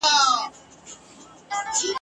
حیرت واخیستی د خدای و هسي کړو ته !.